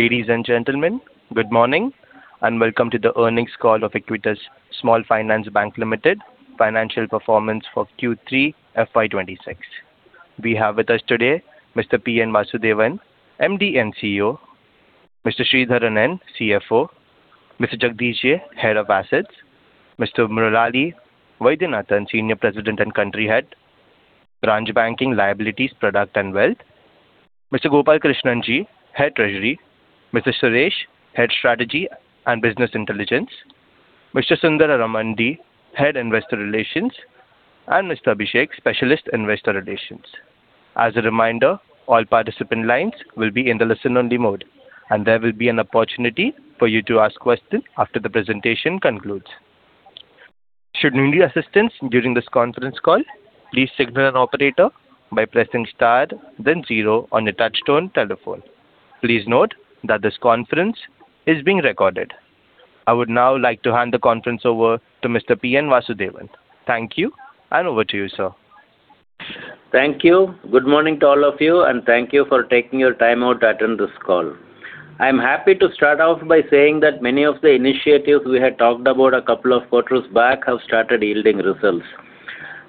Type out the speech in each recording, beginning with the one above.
Ladies and gentlemen, good morning and welcome to the earnings call of Equitas Small Finance Bank Ltd, financial performance for Q3 FY 2026. We have with us today Mr. P N Vasudevan, MD and CEO; Mr. Sridharan, CFO; Mr. Jagadesh J, Head of Assets; Mr. Murali Vaidyanathan, Senior President and Country - Head Branch Banking, Liabilities, Product and Wealth; Mr. Gopalakrishnan G, Head Treasury; Mr. Suresh, Head Strategy and Business Intelligence; Mr. Sundararaman D, Head Investor Relations; and Mr. Abhishek, Specialist Investor Relations. As a reminder, all participant lines will be in the listen-only mode, and there will be an opportunity for you to ask questions after the presentation concludes. Should need assistance during this conference call, please signal an operator by pressing star, then zero on the touch-tone telephone. Please note that this conference is being recorded. I would now like to hand the conference over to Mr. P N Vasudevan. Thank you, and over to you, sir. Thank you. Good morning to all of you and thank you for taking your time out to attend this call. I'm happy to start off by saying that many of the initiatives we had talked about a couple of quarters back have started yielding results.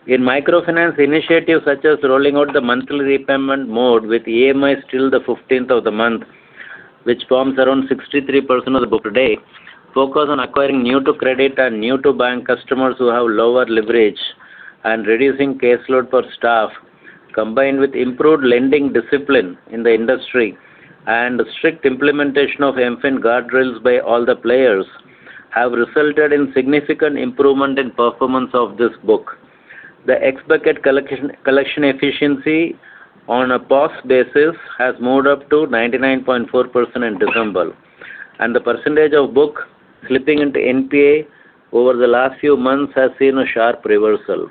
In microfinance initiatives such as rolling out the monthly repayment mode with EMI still the 15th of the month, which forms around 63% of the book today, focus on acquiring new-to-credit and new-to-bank customers who have lower leverage and reducing caseload for staff, combined with improved lending discipline in the industry and strict implementation of MFIN guardrails by all the players, have resulted in significant improvement in performance of this book. The ex-bucket collection efficiency on a POS basis has moved up to 99.4% in December, and the percentage of book slipping into NPA over the last few months has seen a sharp reversal.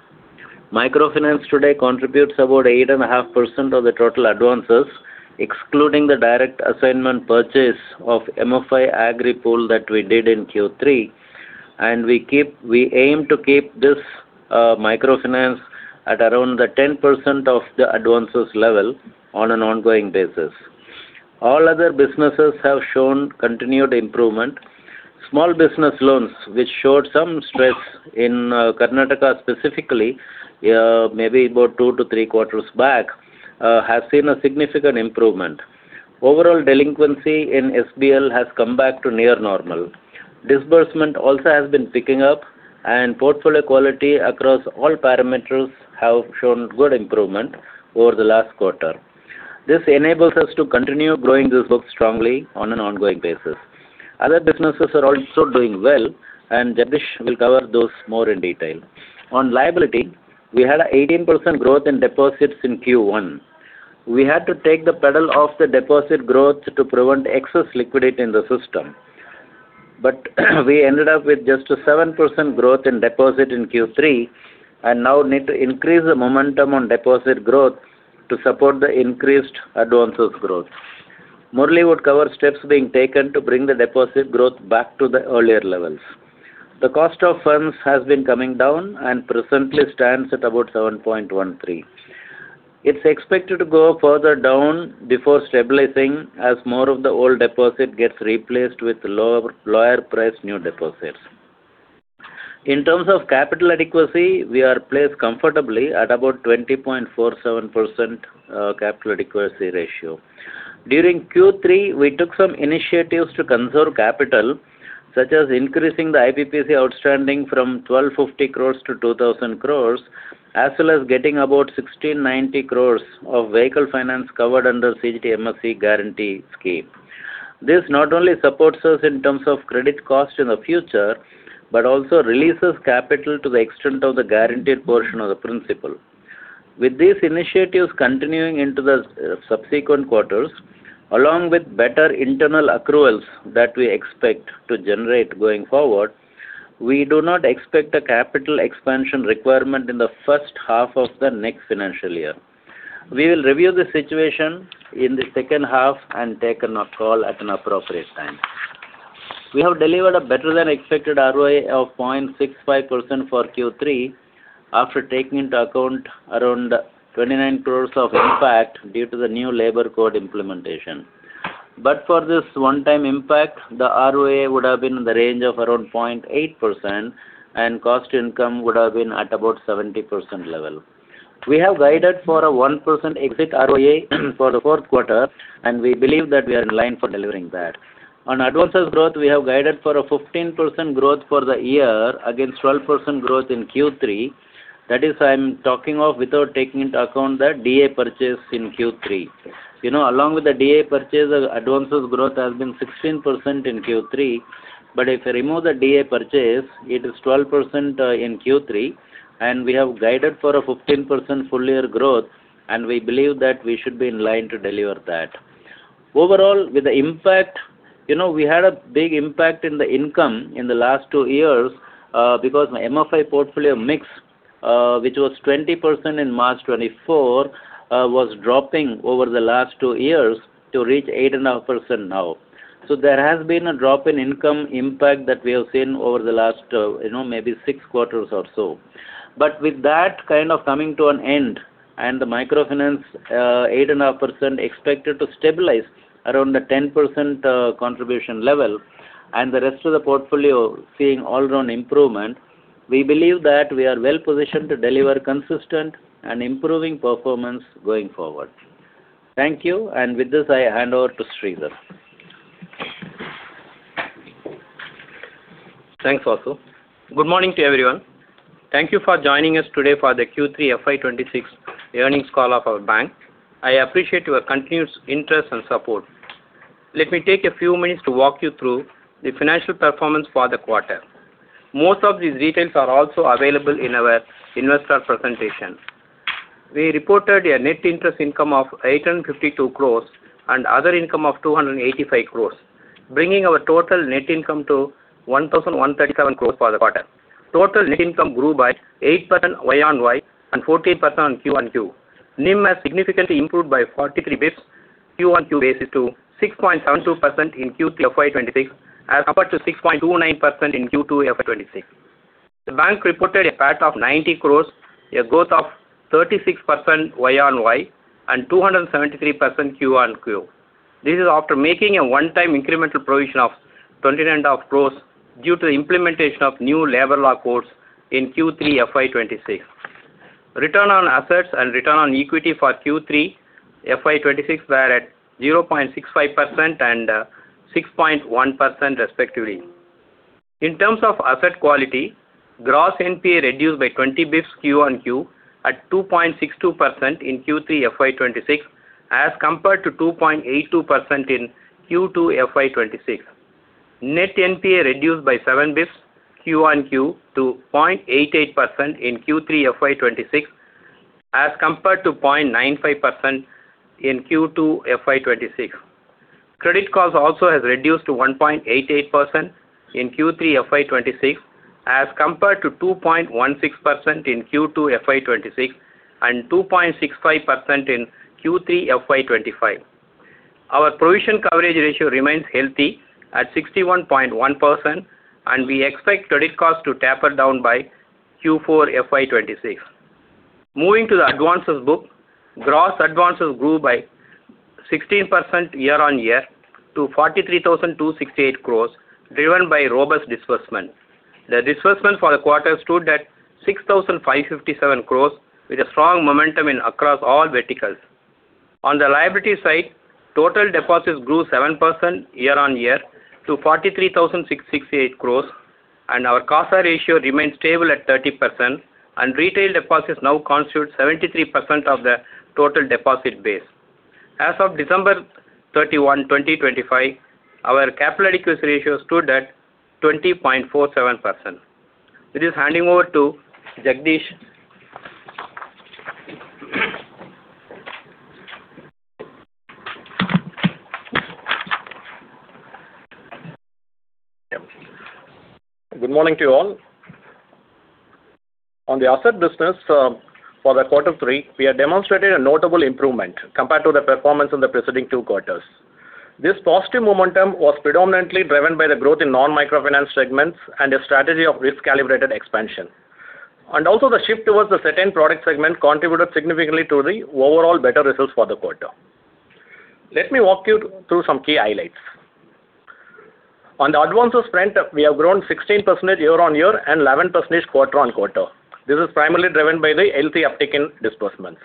Microfinance today contributes about 8.5% of the total advances, excluding the direct assignment purchase of MFI agri pool that we did in Q3, and we aim to keep this microfinance at around the 10% of the advances level on an ongoing basis. All other businesses have shown continued improvement. Small business loans, which showed some stress in Karnataka specifically, maybe about two to three quarters back, have seen a significant improvement. Overall, delinquency in SBL has come back to near normal. Disbursement also has been picking up, and portfolio quality across all parameters has shown good improvement over the last quarter. This enables us to continue growing this book strongly on an ongoing basis. Other businesses are also doing well, and Jagdish will cover those more in detail. On liability, we had an 18% growth in deposits in Q1. We had to take the pedal off the deposit growth to prevent excess liquidity in the system, but we ended up with just a 7% growth in deposit in Q3 and now need to increase the momentum on deposit growth to support the increased advances growth. Murali would cover steps being taken to bring the deposit growth back to the earlier levels. The cost of funds has been coming down and presently stands at about 7.13%. It's expected to go further down before stabilizing as more of the old deposit gets replaced with lower price new deposits. In terms of capital adequacy, we are placed comfortably at about 20.47% capital adequacy ratio. During Q3, we took some initiatives to conserve capital, such as increasing the IBPC outstanding from 1,250 crore to 2,000 crore, as well as getting about 1,690 crore of vehicle finance covered under CGTMSE guarantee scheme. This not only supports us in terms of credit cost in the future but also releases capital to the extent of the guaranteed portion of the principal. With these initiatives continuing into the subsequent quarters, along with better internal accruals that we expect to generate going forward, we do not expect a capital expansion requirement in the first half of the next financial year. We will review the situation in the second half and take a call at an appropriate time. We have delivered a better-than-expected ROA of 0.65% for Q3 after taking into account around 29 crore of impact due to the new labor code implementation. But for this one-time impact, the ROA would have been in the range of around 0.8%, and cost to income would have been at about 70% level. We have guided for a 1% exit ROA for the fourth quarter, and we believe that we are in line for delivering that. On advances growth, we have guided for a 15% growth for the year against 12% growth in Q3. That is, I'm talking of without taking into account the DA purchase in Q3. Along with the DA purchase, the advances growth has been 16% in Q3, but if I remove the DA purchase, it is 12% in Q3, and we have guided for a 15% full-year growth, and we believe that we should be in line to deliver that. Overall, with the impact, we had a big impact in the income in the last two years because my MFI portfolio mix, which was 20% in March 2024, was dropping over the last two years to reach 8.5% now. There has been a drop in income impact that we have seen over the last maybe six quarters or so. But with that kind of coming to an end and the microfinance 8.5% expected to stabilize around the 10% contribution level and the rest of the portfolio seeing all-round improvement, we believe that we are well-positioned to deliver consistent and improving performance going forward. Thank you, and with this, I hand over to Sridhar. Thanks, Vasu. Good morning to everyone. Thank you for joining us today for the Q3 FY 2026 earnings call of our bank. I appreciate your continued interest and support. Let me take a few minutes to walk you through the financial performance for the quarter. Most of these details are also available in our investor presentation. We reported a net interest income of 852 crore and other income of 285 crore, bringing our total net income to 1,137 crore for the quarter. Total net income grew by 8% YoY and 14% QoQ. NIM has significantly improved by 43 basis points, QoQ basis to 6.72% in Q3 FY 2026 as compared to 6.29% in Q2 FY 2026. The bank reported a PAT of 90 crore, a growth of 36% YoY, and 273% QoQ. This is after making a one-time incremental provision of 29.5 crore due to the implementation of new labor law codes in Q3 FY 2026. Return on assets and return on equity for Q3 FY 2026 were at 0.65% and 6.1%, respectively. In terms of asset quality, gross NPA reduced by 20 basis points QoQ at 2.62% in Q3 FY 2026 as compared to 2.82% in Q2 FY 2026. Net NPA reduced by 7 basis points QoQ to 0.88% in Q3 FY 2026 as compared to 0.95% in Q2 FY 2026. Credit cost also has reduced to 1.88% in Q3 FY 2026 as compared to 2.16% in Q2 FY 2026 and 2.65% in Q3 FY 2025. Our provision coverage ratio remains healthy at 61.1%, and we expect credit cost to taper down by Q4 FY 2026. Moving to the advances book, gross advances grew by 16% year-on-year to 43,268 crore, driven by robust disbursement. The disbursement for the quarter stood at 6,557 crore, with a strong momentum across all verticals. On the liability side, total deposits grew 7% year-on-year to 43,668 crore, and our CASA ratio remained stable at 30%, and retail deposits now constitute 73% of the total deposit base. As of December 31, 2025, our capital adequacy ratio stood at 20.47%. It is handing over to Jagadesh. Good morning to you all. On the asset business for the quarter three, we have demonstrated a notable improvement compared to the performance in the preceding two quarters. This positive momentum was predominantly driven by the growth in non-microfinance segments and a strategy of risk-calibrated expansion. The shift towards the certain product segment contributed significantly to the overall better results for the quarter. Let me walk you through some key highlights. On the advances front, we have grown 16% year-over-year and 11% quarter-over-quarter. This is primarily driven by the healthy uptake in disbursements.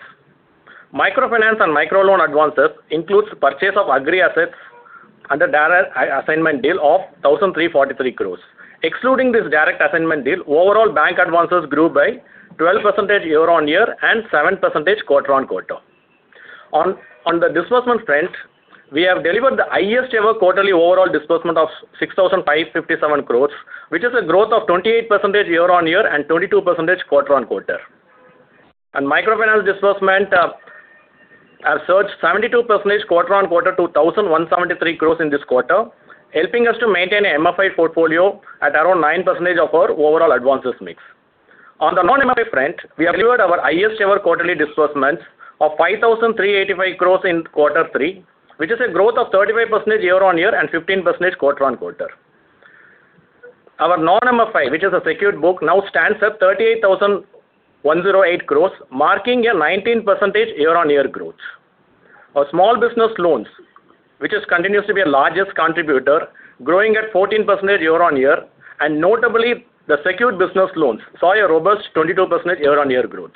Microfinance and microloan advances include the purchase of agri assets under direct assignment deal of 1,343 crore. Excluding this direct assignment deal, overall bank advances grew by 12% year-over-year and 7% quarter-over-quarter. On the disbursement front, we have delivered the highest-ever quarterly overall disbursement of 6,557 crore, which is a growth of 28% year-over-year and 22% quarter-over-quarter. Microfinance disbursement has surged 72% quarter-over-quarter to 1,173 crore in this quarter, helping us to maintain an MFI portfolio at around 9% of our overall advances mix. On the non-MFI front, we have delivered our highest-ever quarterly disbursements of 5,385 crore in quarter three, which is a growth of 35% year-over-year and 15% quarter-over-quarter. Our non-MFI, which is a secured book, now stands at 38,108 crore, marking a 19% year-over-year growth. Our small business loans, which continues to be our largest contributor, are growing at 14% year-over-year, and notably, the secured business loans saw a robust 22% year-over-year growth.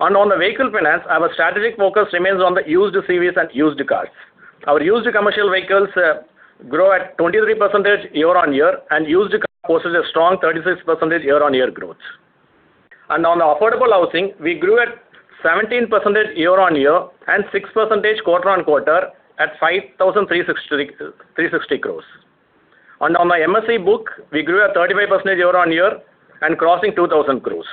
On the vehicle finance, our strategic focus remains on the used CVs and used cars. Our used commercial vehicles grow at 23% year-on-year, and used cars posted a strong 36% year-on-year growth. On the affordable housing, we grew at 17% year-on-year and 6% quarter-on-quarter at 5,360 crore. On the MSE book, we grew at 35% year-on-year and crossing 2,000 crore.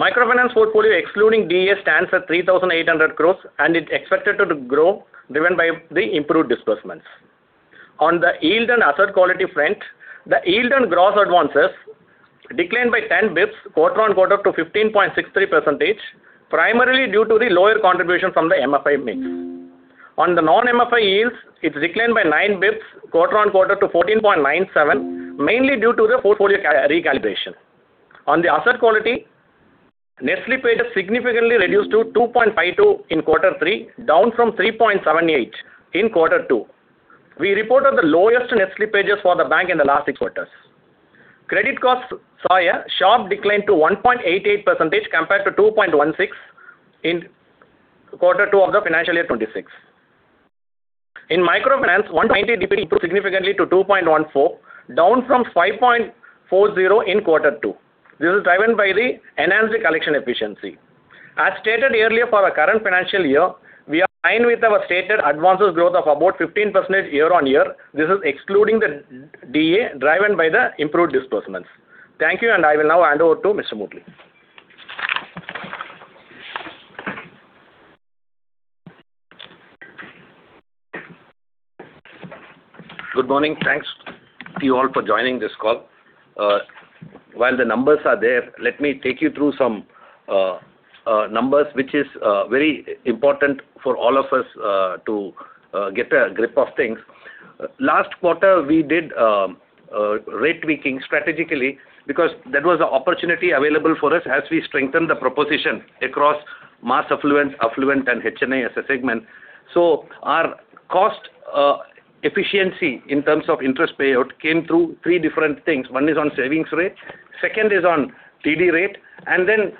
Microfinance portfolio, excluding DA, stands at 3,800 crore, and it is expected to grow, driven by the improved disbursements. On the yield and asset quality front, the yield and gross advances declined by 10 basis points quarter-on-quarter to 15.63%, primarily due to the lower contribution from the MFI mix. On the non-MFI yields, it declined by 9 basis points quarter-on-quarter to 14.97%, mainly due to the portfolio recalibration. On the asset quality, net slippage has significantly reduced to 2.52% in quarter three, down from 3.78% in quarter two. We reported the lowest net slippages for the bank in the last six quarters. Credit costs saw a sharp decline to 1.88% compared to 2.16% in quarter two of the financial year 2026. In microfinance, 190 DPD improved significantly to 2.14%, down from 5.40% in quarter two. This is driven by the enhanced collection efficiency. As stated earlier, for our current financial year, we are aligned with our stated advances growth of about 15% year-on-year. This is excluding the DA, driven by the improved disbursements. Thank you, and I will now hand over to Mr. Murali. Good morning. Thanks to you all for joining this call. While the numbers are there, let me take you through some numbers, which is very important for all of us to get a grip of things. Last quarter, we did rate tweaking strategically because that was an opportunity available for us as we strengthened the proposition across mass affluence, affluent, and HNI as a segment. So, our cost efficiency in terms of interest payout came through three different things. One is on savings rate, second is on TD rate, and then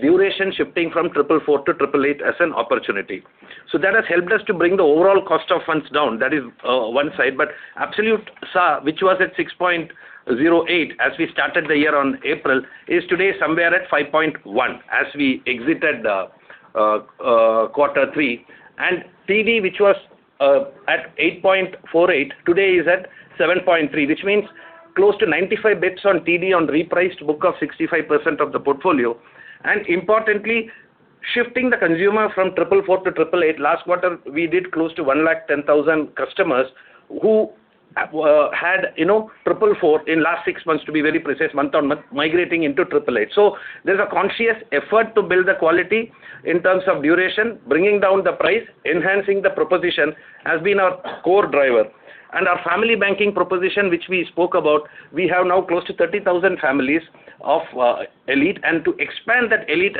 duration shifting from 444 to 888 as an opportunity. So that has helped us to bring the overall cost of funds down. That is one side. But absolute SAR, which was at 6.08% as we started the year in April, is today somewhere at 5.1% as we exited quarter three. TD, which was at 8.48%, today is at 7.3%, which means close to 95 basis points on TD on repriced book of 65% of the portfolio. Importantly, shifting the consumer from 444 to 888, last quarter, we did close to 110,000 customers who had 444 in the last six months, to be very precise, month-on-month migrating into 888. So there's a conscious effort to build the quality in terms of duration, bringing down the price, enhancing the proposition has been our core driver. Our family banking proposition, which we spoke about, we have now close to 30,000 families of Elite. To expand that Elite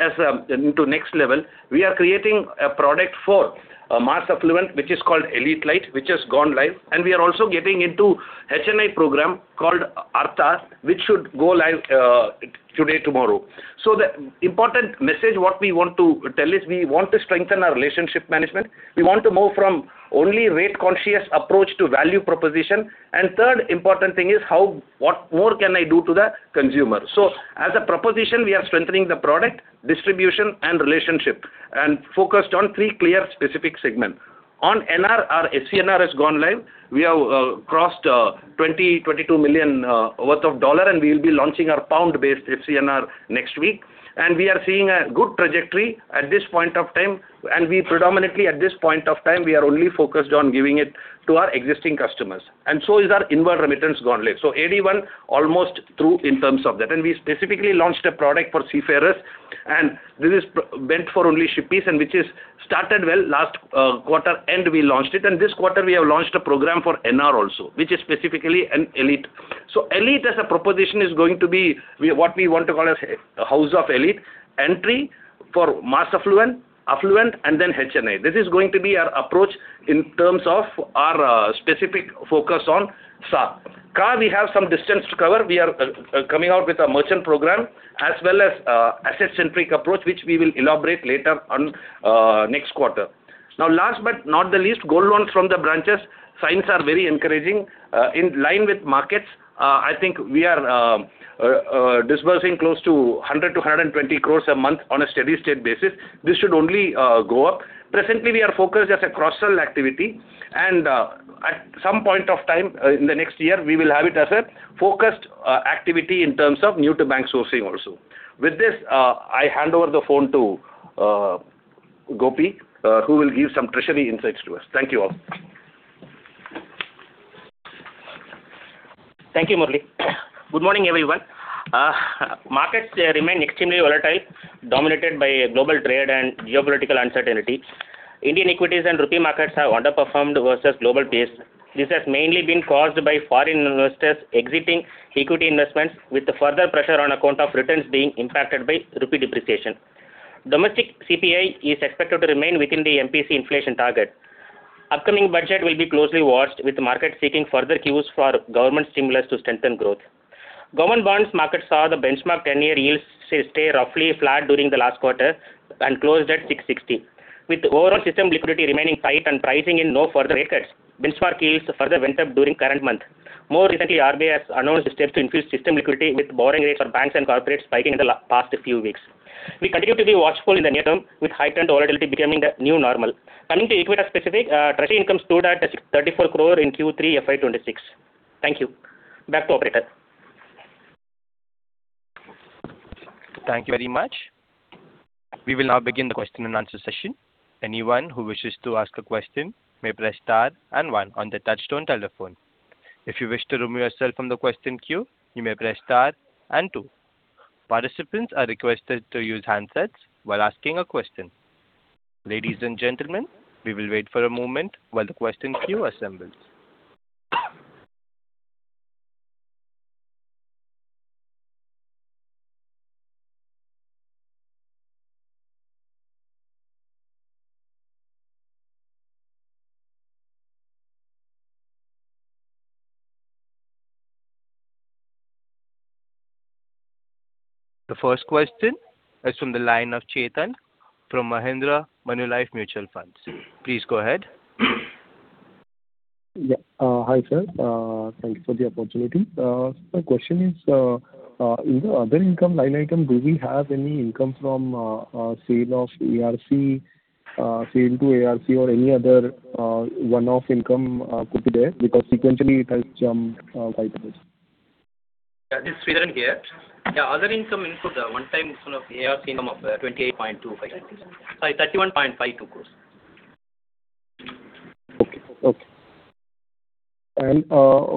into the next level, we are creating a product for mass affluent, which is called Elite Light, which has gone live. We are also getting into an HNI program called Artha, which should go live today, tomorrow. So the important message what we want to tell is we want to strengthen our relationship management. We want to move from only rate-conscious approach to value proposition. And third important thing is what more can I do to the consumer. So as a proposition, we are strengthening the product, distribution, and relationship and focused on three clear specific segments. On NR, our FCNR has gone live. We have crossed $20 million-$22 million worth of dollar, and we will be launching our pound-based FCNR next week. And we are seeing a good trajectory at this point of time. And predominantly, at this point of time, we are only focused on giving it to our existing customers. And so is our inward remittance gone live. So AD1 almost through in terms of that. We specifically launched a product for seafarers, and this is meant for only shippies, which has started well last quarter, and we launched it. This quarter, we have launched a program for NR also, which is specifically an Elite. So Elite as a proposition is going to be what we want to call a house of elite entry for mass affluent, affluent, and then HNI. This is going to be our approach in terms of our specific focus on SAR. Car, we have some distance to cover. We are coming out with a merchant program as well as an asset-centric approach, which we will elaborate later on next quarter. Now, last but not the least, gold loans from the branches. Signs are very encouraging in line with markets. I think we are disbursing close to 100-120 crore a month on a steady-state basis. This should only go up. Presently, we are focused as a cross-sell activity. At some point of time in the next year, we will have it as a focused activity in terms of new-to-bank sourcing also. With this, I hand over the phone to Gopi, who will give some treasury insights to us. Thank you all. Thank you, Murli. Good morning, everyone. Markets remain extremely volatile, dominated by global trade and geopolitical uncertainty. Indian equities and rupee markets have underperformed versus global pace. This has mainly been caused by foreign investors exiting equity investments, with the further pressure on account of returns being impacted by rupee depreciation. Domestic CPI is expected to remain within the MPC inflation target. Upcoming budget will be closely watched, with markets seeking further cues for government stimulus to strengthen growth. Government bonds market saw the benchmark 10-year yields stay roughly flat during the last quarter and closed at 660, with overall system liquidity remaining tight and pricing in no further rate cuts. Benchmark yields further went up during the current month. More recently, RBI has announced steps to infuse system liquidity with borrowing rates for banks and corporates spiking in the past few weeks. We continue to be watchful in the near term, with heightened volatility becoming the new normal. Coming to equity-specific, treasury income stood at 34 crore in Q3 FY 2026. Thank you. Back to operator. Thank you very much. We will now begin the question-and-answer session. Anyone who wishes to ask a question may press star and one on the touch-tone telephone. If you wish to remove yourself from the question queue, you may press star and two. Participants are requested to use handsets while asking a question. Ladies and gentlemen, we will wait for a moment while the question queue assembles. The first question is from the line of Chetan from Mahindra Manulife Mutual Funds. Please go ahead. Hi, sir. Thanks for the opportunity. The question is, in the other income line item, do we have any income from sale of ARC, sale to ARC, or any other one-off income could be there? Because sequentially, it has jumped quite a bit. Yeah, this is Sridharan here. Yeah, other income input, one-time income of ARC income of 28.25 crore. Sorry, 31.52 crore. Okay. Okay. And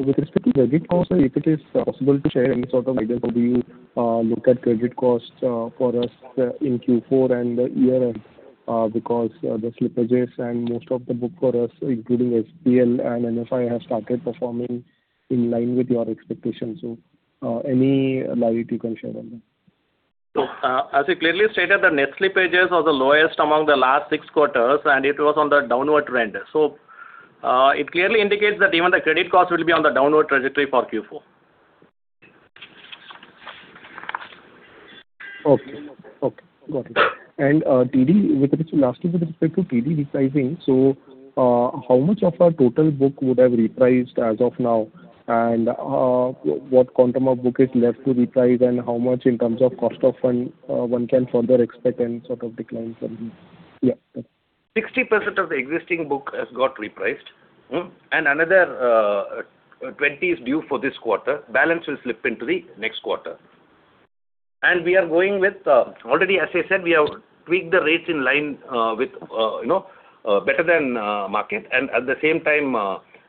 with respect to credit cost, if it is possible to share any sort of idea of how do you look at credit cost for us in Q4 and the year end? Because the slippages and most of the book for us, including SPL and NFI, have started performing in line with your expectations. So any light you can share on that? As I clearly stated, the net slippages were the lowest among the last six quarters, and it was on the downward trend. It clearly indicates that even the credit cost will be on the downward trajectory for Q4. Okay. Okay. Got it. And TD, with respect to lastly, with respect to TD repricing, so how much of our total book would have repriced as of now? And what quantum of book is left to reprice, and how much in terms of cost of fund one can further expect and sort of decline from here? Yeah. 60% of the existing book has got repriced, and another 20 is due for this quarter. Balance will slip into the next quarter. We are going with already, as I said, we have tweaked the rates in line with better than market. At the same time,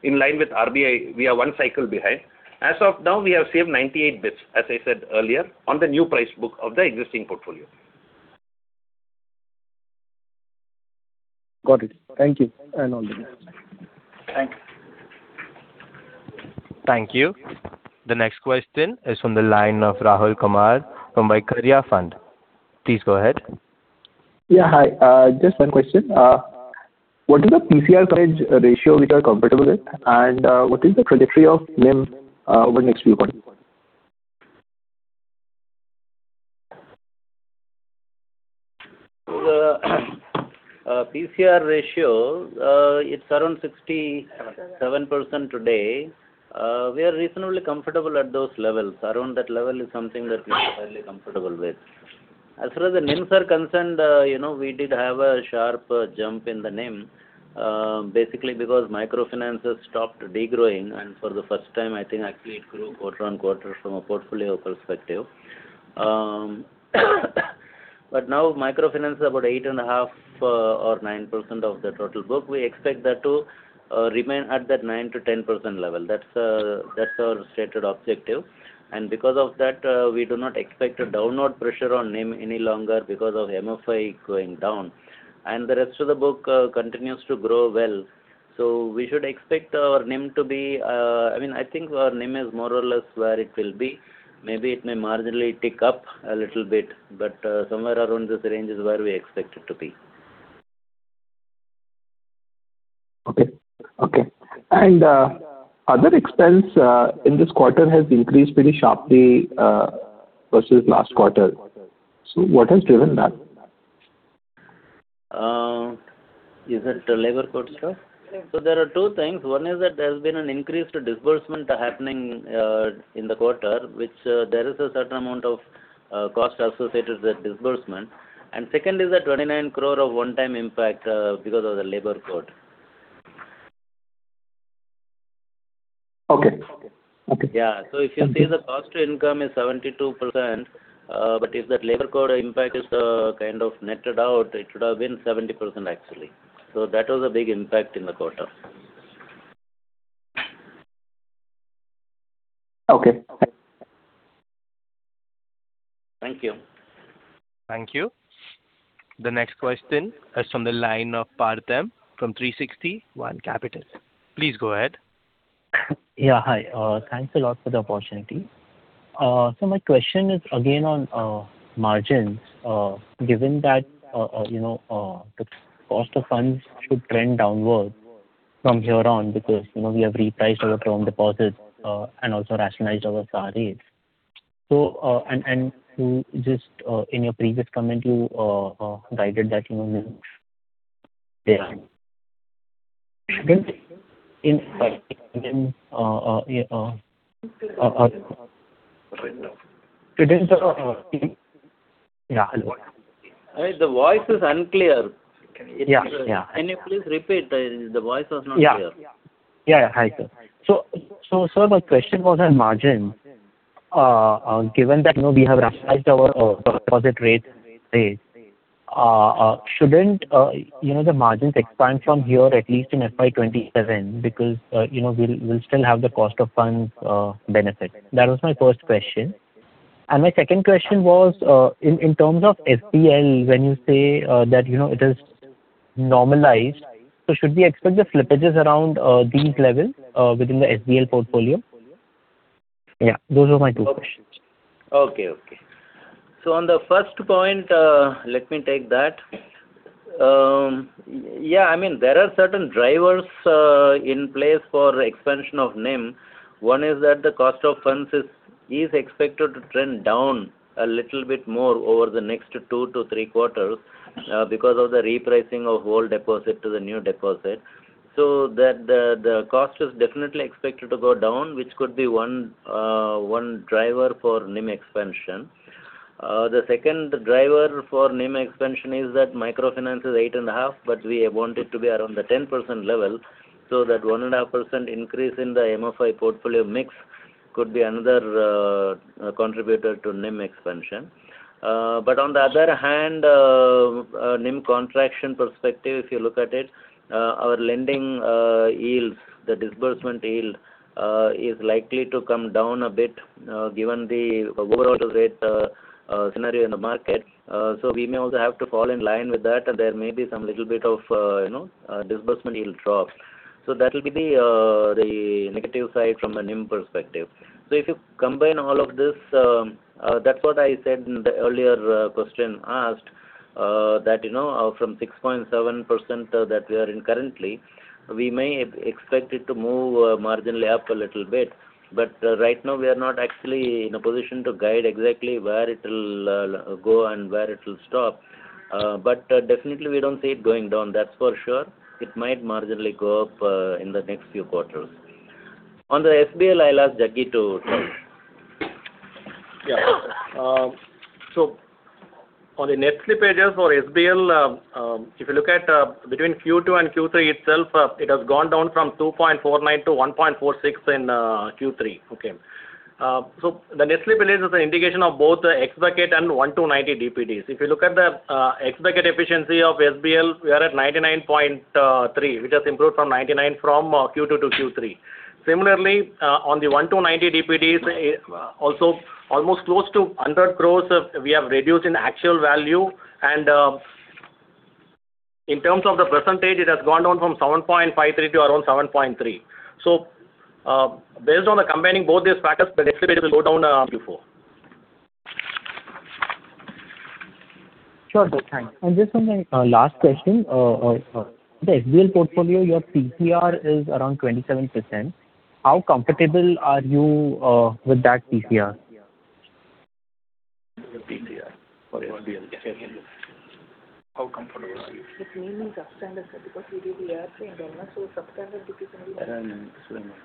in line with RBI, we are one cycle behind. As of now, we have saved 98 bits, as I said earlier, on the new price book of the existing portfolio. Got it. Thank you. And all the best. Thank you. Thank you. The next question is from the line of Rahul Kumar from Vaikarya Fund. Please go ahead. Yeah, hi. Just one question. What is the PCR coverage ratio which are compatible with, and what is the trajectory of NIM over the next few quarters? The PCR ratio, it's around 67% today. We are reasonably comfortable at those levels. Around that level is something that we are fairly comfortable with. As far as the NIMs are concerned, we did have a sharp jump in the NIM, basically because microfinances stopped degrowing. And for the first time, I think actually it grew quarter-on-quarter from a portfolio perspective. But now microfinances are about 8.5% or 9% of the total book. We expect that to remain at that 9%-10% level. That's our stated objective. And because of that, we do not expect a downward pressure on NIM any longer because of MFI going down. And the rest of the book continues to grow well. So we should expect our NIM to be I mean, I think our NIM is more or less where it will be. Maybe it may marginally tick up a little bit, but somewhere around this range is where we expect it to be. Okay. Okay. And other expense in this quarter has increased pretty sharply versus last quarter. So what has driven that? Is it the labor code stuff? So there are two things. One is that there has been an increased disbursement happening in the quarter, which there is a certain amount of cost associated with that disbursement. And second is that 29 crore of one-time impact because of the labor code. Okay. Okay. Yeah. So if you see the cost to income is 72%, but if that labor code impact is kind of netted out, it would have been 70% actually. So that was a big impact in the quarter. Okay. Thank you. Thank you. The next question is from the line of Pratham from 360 ONE Capital. Please go ahead. Yeah, hi. Thanks a lot for the opportunity. So my question is again on margins. Given that the cost of funds should trend downward from here on because we have repriced our term deposits and also rationalized our SAR rates. And just in your previous comment, you guided that. The voice is unclear. Can you please repeat? The voice was not clear. Yeah. Yeah. Hi, sir. So my question was on margins. Given that we have rationalized our deposit rate, shouldn't the margins expand from here at least in FY 2027 because we'll still have the cost of funds benefit? That was my first question. And my second question was in terms of SPL, when you say that it has normalized, so should we expect the slippages around these levels within the SBL portfolio? Yeah. Those were my two questions. Okay. Okay. So on the first point, let me take that. Yeah. I mean, there are certain drivers in place for expansion of NIM. One is that the cost of funds is expected to trend down a little bit more over the next 2-3 quarters because of the repricing of old deposit to the new deposit. So the cost is definitely expected to go down, which could be one driver for NIM expansion. The second driver for NIM expansion is that microfinance is 8.5%, but we want it to be around the 10% level. So that 1.5% increase in the MFI portfolio mix could be another contributor to NIM expansion. But on the other hand, NIM contraction perspective, if you look at it, our lending yields, the disbursement yield is likely to come down a bit given the overall rate scenario in the market. So we may also have to fall in line with that, and there may be some little bit of disbursement yield drop. So that will be the negative side from a NIM perspective. So if you combine all of this, that's what I said in the earlier question asked, that from 6.7% that we are in currently, we may expect it to move marginally up a little bit. But right now, we are not actually in a position to guide exactly where it will go and where it will stop. But definitely, we don't see it going down. That's for sure. It might marginally go up in the next few quarters. On the SBL, I'll ask Jaggi to talk. Yeah. So on the net slippages for SBL, if you look at between Q2 and Q3 itself, it has gone down from 2.49% to 1.46% in Q3. Okay. So the net slippages is an indication of both the ex-bucket and 120-90 DPDs. If you look at the ex-bucket efficiency of SBL, we are at 99.3%, which has improved from 99% from Q2 to Q3. Similarly, on the 120-90 DPDs, also almost close to 100 crore, we have reduced in actual value. And in terms of the percentage, it has gone down from 7.53% to around 7.3%. So based on combining both these factors, the net slippage will go down. Q4. Sure. Thanks. And just one last question. The SBL portfolio, your PCR is around 27%. How comfortable are you with that PCR? The PCR for SBL, how comfortable are you? It's mainly substandard because we do the IRAC downgrade, so substandard because only. Explain that.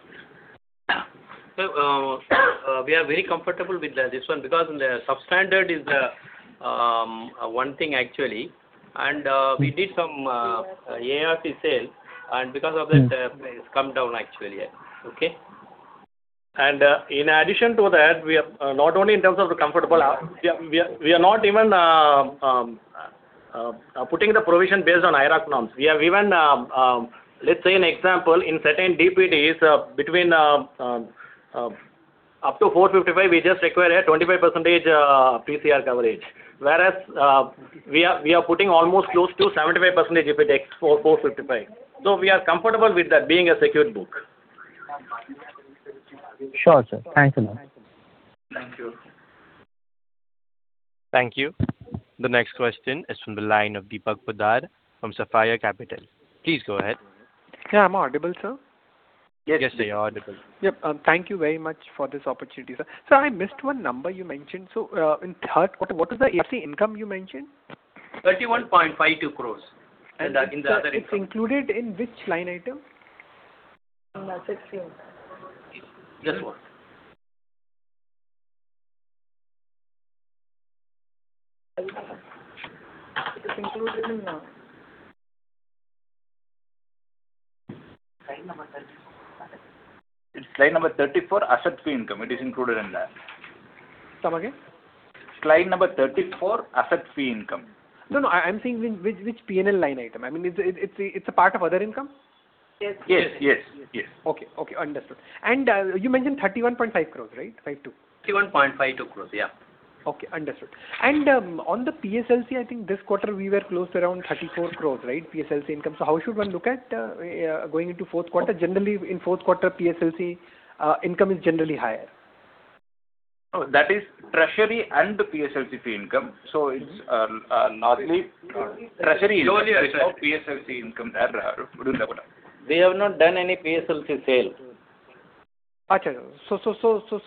Yeah. So we are very comfortable with this one because the substandard is one thing actually. We did some ARC sale, and because of that, it's come down actually. Okay. In addition to that, we are not only in terms of the comfortable, we are not even putting the provision based on IRAC norms. We have even, let's say, an example in certain DPDs between up to 455, we just require a 25% PCR coverage, whereas we are putting almost close to 75% for 455. We are comfortable with that being a secured book. Sure, sir. Thanks a lot. Thank you. Thank you. The next question is from the line of Deepak Poddar from Sapphire Capital. Please go ahead. Yeah, I'm audible, sir? Yes, sir. You're audible. Yep. Thank you very much for this opportunity, sir. Sir, I missed one number you mentioned. So in third, what was the ARC income you mentioned? 31.52 crore. And in the other income. It's included in which line item? In 16. Report. It's included in- It's line number 34, asset fee income. It is included in that. Some again? It's line number 34, asset fee income. No, no. I'm saying which P&L line item? I mean, it's a part of other income? Yes. Yes. Yes. Yes. Okay. Okay. Understood. And you mentioned 31.5 crore, right? 52? 31.52 crore. Yeah. Okay. Understood. And on the PSLC, I think this quarter we were close to around 34 crore, right? PSLC income. So how should one look at going into fourth quarter? Generally, in fourth quarter, PSLC income is generally higher. That is treasury and PSLC fee income. So it's largely treasury income. yield of PSLC income there. They have not done any PSLC sale. Ajay, so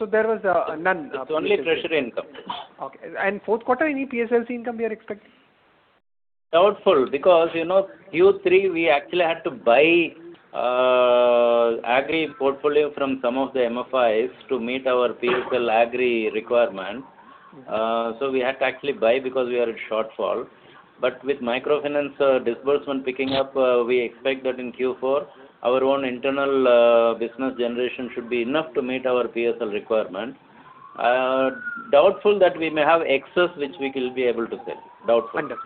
there was none. It's only treasury income. Okay. And fourth quarter, any PSLC income we are expecting? Doubtful because Q3 we actually had to buy agri portfolio from some of the MFIs to meet our PSL agri requirement. So we had to actually buy because we are in shortfall. But with microfinance disbursement picking up, we expect that in Q4, our own internal business generation should be enough to meet our PSL requirement. Doubtful that we may have excess which we will be able to sell. Doubtful. Understood.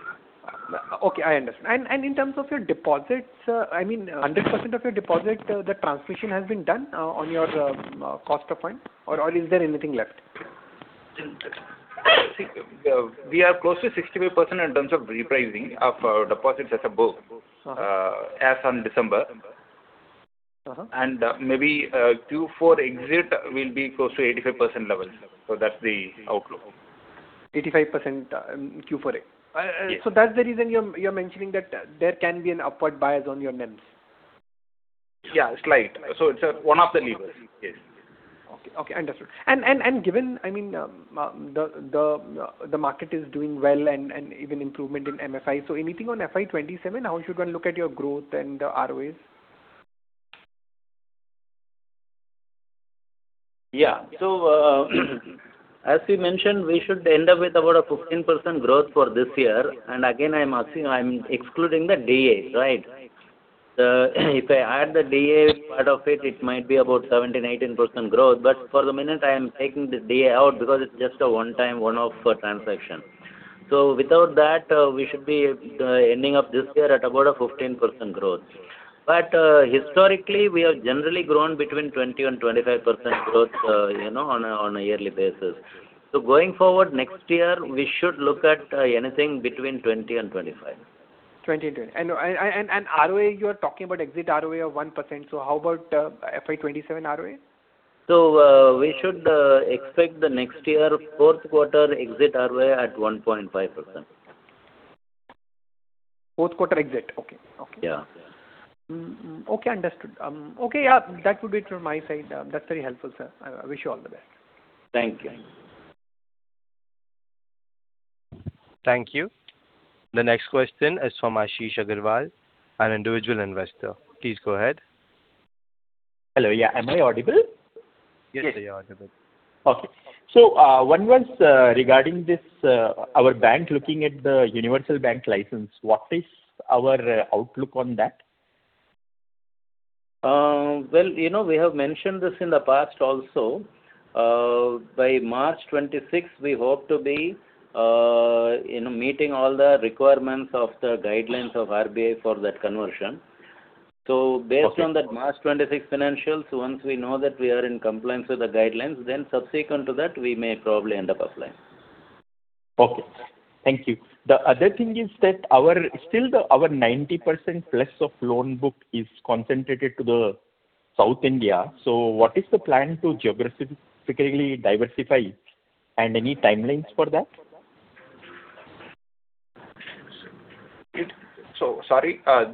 Okay. I understand. In terms of your deposits, I mean, 100% of your deposit, the transmission has been done on your cost of funds? Or is there anything left? We are close to 65% in terms of repricing of deposits as above, as on December. Maybe Q4 exit will be close to 85% levels. That's the outlook. 85% Q4 exit? Yes. So that's the reason you're mentioning that there can be an upward bias on your NIMs? Yeah, slight. So it's one of the levers. Yes. Okay. Okay. Understood. Given, I mean, the market is doing well and even improvement in MFI, so anything on FY27, how should one look at your growth and the ROAs? Yeah. So as we mentioned, we should end up with about a 15% growth for this year. And again, I'm excluding the DA, right? If I add the DA part of it, it might be about 17%-18% growth. But for the moment, I am taking the DA out because it's just a one-time, one-off transaction. So without that, we should be ending up this year at about a 15% growth. But historically, we have generally grown between 20%-25% growth on a yearly basis. So going forward next year, we should look at anything between 20%-25%. 20 and 25. And ROA, you are talking about exit ROA of 1%. So how about FY 2027 ROA? So we should expect the next year, fourth quarter exit ROA at 1.5%. Fourth quarter exit. Okay. Okay. Yeah. Okay. Understood. Okay. Yeah. That would be it from my side. That's very helpful, sir. I wish you all the best. Thank you. Thank you. The next question is from Ashish Aggarwal, an individual investor. Please go ahead. Hello. Yeah. Am I audible? Yes, sir. Yes, you're audible. Okay. So one was regarding our bank looking at the universal bank license. What is our outlook on that? Well, we have mentioned this in the past also. By March 2026, we hope to be meeting all the requirements of the guidelines of RBI for that conversion. So based on that March 2026 financials, once we know that we are in compliance with the guidelines, then subsequent to that, we may probably end up offline. Okay. Thank you. The other thing is that still our 90%+ of loan book is concentrated to the South India. So what is the plan to geographically diversify and any timelines for that? So sorry. Our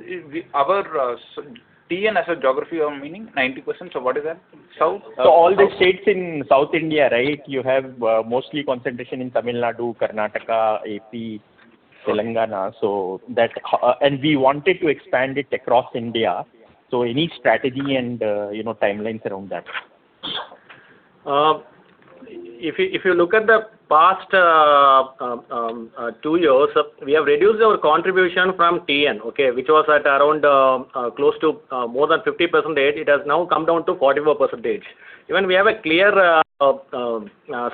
TN's geography meaning 90%, so what is that? So all the states in South India, right, you have mostly concentration in Tamil Nadu, Karnataka, AP, Telangana. And we wanted to expand it across India. So any strategy and timelines around that? If you look at the past 2 years, we have reduced our contribution from TN, okay, which was at around close to more than 50%. It has now come down to 44%. Even we have a clear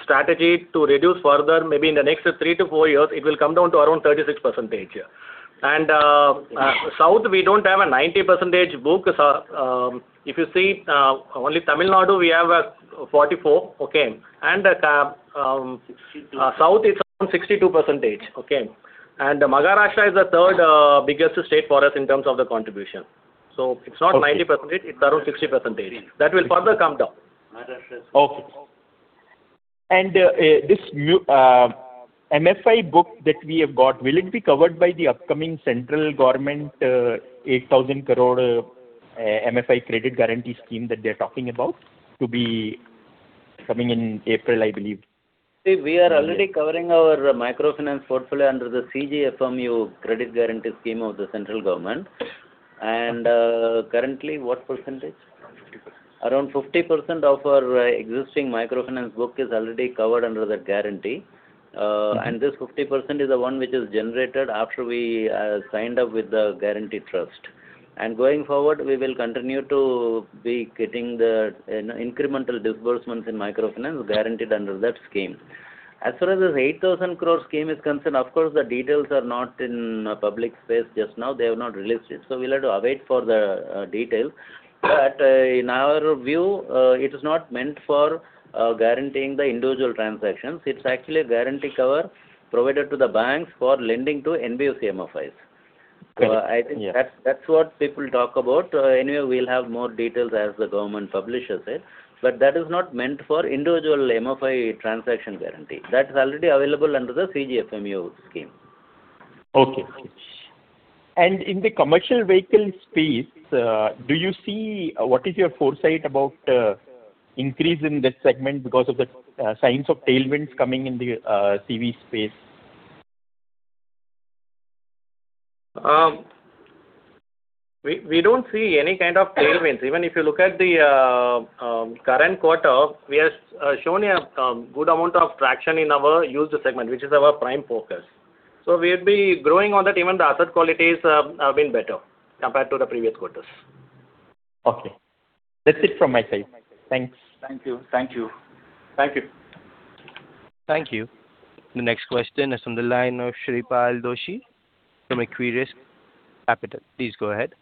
strategy to reduce further. Maybe in the next 3-4 years, it will come down to around 36%. And south, we don't have a 90% book. If you see, only Tamil Nadu, we have 44. Okay. And south, it's around 62%. Okay. And Maharashtra is the third biggest state for us in terms of the contribution. So it's not 90%. It's around 60%. That will further come down. Okay. This MFI book that we have got, will it be covered by the upcoming central government 8,000 crore MFI credit guarantee scheme that they're talking about to be coming in April, I believe? See, we are already covering our microfinance portfolio under the CGFMU credit guarantee scheme of the central government. Currently, what percentage? 50%. Around 50% of our existing microfinance book is already covered under that guarantee. This 50% is the one which is generated after we signed up with the guarantee trust. Going forward, we will continue to be getting the incremental disbursements in microfinance guaranteed under that scheme. As far as the 8,000 crore scheme is concerned, of course, the details are not in public space just now. They have not released it. We'll have to await for the details. But in our view, it is not meant for guaranteeing the individual transactions. It's actually a guarantee cover provided to the banks for lending to NBFC MFIs. So I think that's what people talk about. Anyway, we'll have more details as the government publishes it. But that is not meant for individual MFI transaction guarantee. That's already available under the CGFMU scheme. Okay. In the commercial vehicle space, do you see what is your foresight about increase in that segment because of the signs of tailwinds coming in the CV space? We don't see any kind of tailwinds. Even if you look at the current quarter, we have shown a good amount of traction in our used segment, which is our prime focus. So we'll be growing on that. Even the asset qualities have been better compared to the previous quarters. Okay. That's it from my side. Thanks. Thank you. Thank you. Thank you. Thank you. The next question is from the line of Shreepal Doshi from Equirus Capital. Please go ahead.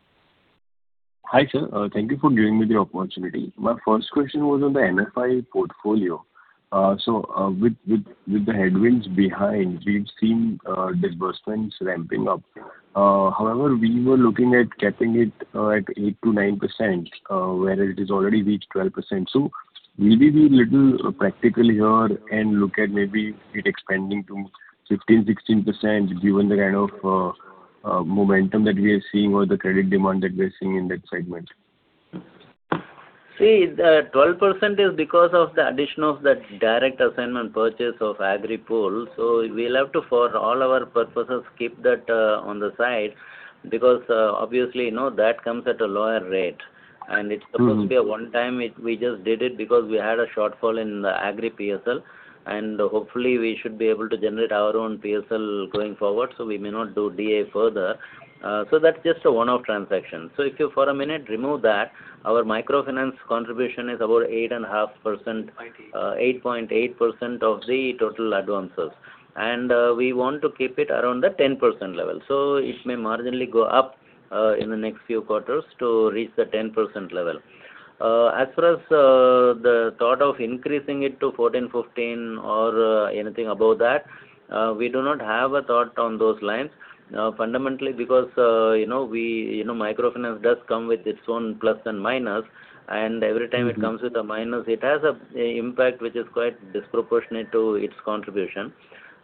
Hi sir. Thank you for giving me the opportunity. My first question was on the MFI portfolio. With the headwinds behind, we've seen disbursements ramping up. However, we were looking at capping it at 8%-9%, where it has already reached 12%. Maybe we'll do a little practical here and look at maybe it expanding to 15%-16% given the kind of momentum that we are seeing or the credit demand that we are seeing in that segment. See, the 12% is because of the addition of the direct assignment purchase of agri pool. So we'll have to, for all our purposes, keep that on the side because obviously, that comes at a lower rate. And it's supposed to be a one-time. We just did it because we had a shortfall in the agri PSL. And hopefully, we should be able to generate our own PSL going forward. So we may not do DA further. So that's just a one-off transaction. So if you for a minute remove that, our microfinance contribution is about 8.5%, 8.8% of the total advances. And we want to keep it around the 10% level. So it may marginally go up in the next few quarters to reach the 10% level. As far as the thought of increasing it to 14, 15, or anything above that, we do not have a thought on those lines fundamentally because microfinance does come with its own plus and minus. Every time it comes with a minus, it has an impact which is quite disproportionate to its contribution.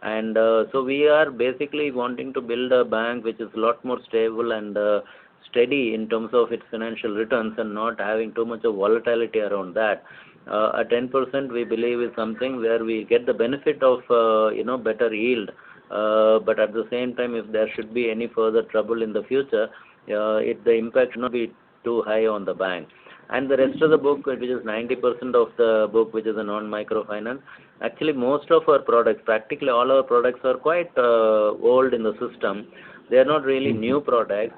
We are basically wanting to build a bank which is a lot more stable and steady in terms of its financial returns and not having too much of volatility around that. A 10% we believe is something where we get the benefit of better yield. But at the same time, if there should be any further trouble in the future, the impact should not be too high on the bank. The rest of the book, which is 90% of the book, which is non-microfinance—actually, most of our products, practically all our products, are quite old in the system. They are not really new products.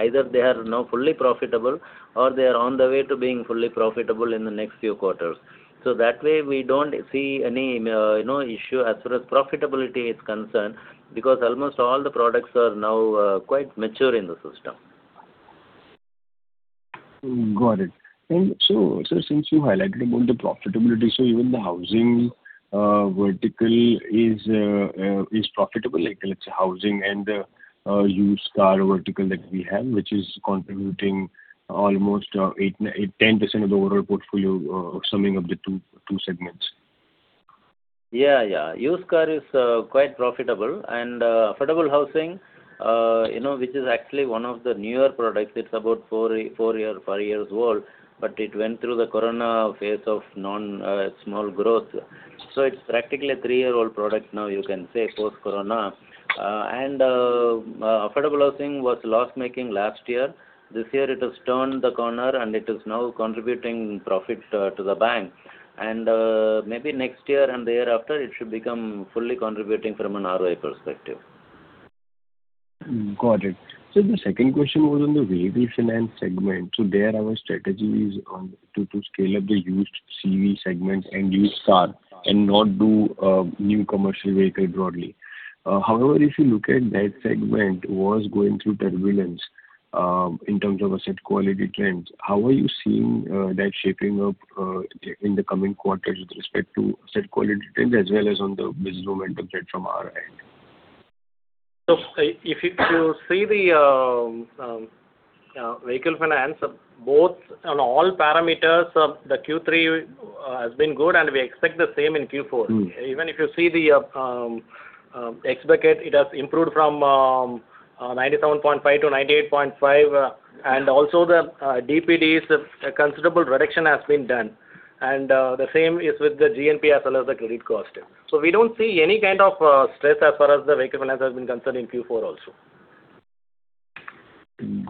Either they are now fully profitable or they are on the way to being fully profitable in the next few quarters. That way, we don't see any issue as far as profitability is concerned because almost all the products are now quite mature in the system. Got it. So since you highlighted about the profitability, so even the housing vertical is profitable, like housing and used car vertical that we have, which is contributing almost 10% of the overall portfolio summing of the two segments. Yeah. Yeah. Used car is quite profitable. And affordable housing, which is actually one of the newer products, it's about four years, five years old, but it went through the corona phase of non-small growth. So it's practically a 3-year-old product now, you can say, post-corona. And affordable housing was loss-making last year. This year, it has turned the corner and it is now contributing profit to the bank. And maybe next year and the year after, it should become fully contributing from an ROI perspective. Got it. So the second question was on the vehicle finance segment. So there are our strategies to scale up the used CV segment and used car and not do new commercial vehicle broadly. However, if you look at that segment, it was going through turbulence in terms of asset quality trends. How are you seeing that shaping up in the coming quarters with respect to asset quality trends as well as on the business momentum trend from our end? So if you see the vehicle finance, both on all parameters, the Q3 has been good and we expect the same in Q4. Even if you see the ex-bucket, it has improved from 97.5-98.5. And also the DPDs, a considerable reduction has been done. And the same is with the GNP as well as the credit cost. So we don't see any kind of stress as far as the vehicle finance has been concerned in Q4 also.